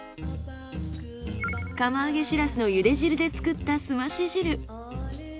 釜揚げシラスの茹で汁で作ったすまし汁。